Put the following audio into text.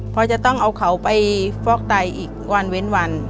เพราะจะต้องเอาเขาไปฟอกไตอีกวันเว้นวัน